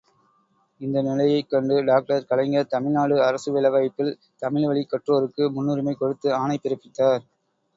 இந்த நிலையைக் கண்டு டாக்டர் கலைஞர் தமிழ்நாடு அரசு வேலைவாய்ப்பில் தமிழ்வழிக் கற்றோருக்கு முன்னுரிமை கொடுத்து ஆணை பிறப்பித்தார்.